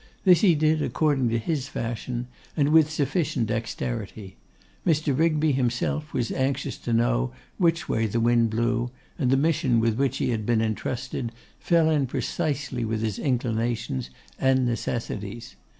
This he did according to his fashion, and with sufficient dexterity. Mr. Rigby himself was anxious to know which way the wind blew, and the mission with which he had been entrusted, fell in precisely with his inclinations and necessities.